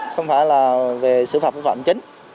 không phải là về xử phạt phương phạm chính